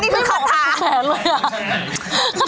อ๋อนึกจากขทา